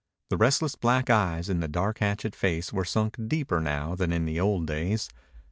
The restless black eyes in the dark hatchet face were sunk deeper now than in the old days.